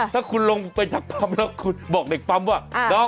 ถ้าคุณลงไปจากปั๊มแล้วคุณบอกเด็กปั๊มว่า